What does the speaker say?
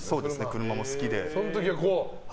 車も好きで。